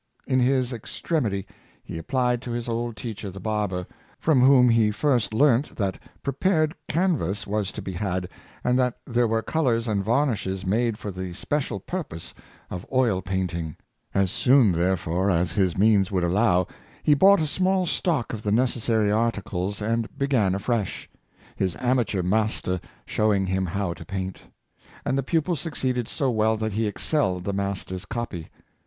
In his extremity he applied to his old teacher, the barber, from whom he first learnt that pre pared canvas was to be had, and that there were colors and varnishes made for the special purpose of oil paint 23 354 yames Sharpies. ing. As soon, therefore, as his means would allow, he bought a small stock of the necessary articles and be gan afresh — his amateur master showing him how to paint; and the pupil succeeded so well that he excelled the master's copy.